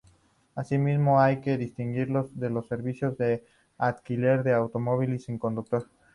Asimismo, hay que distinguirlos de los servicios de alquiler de automóviles sin conductor.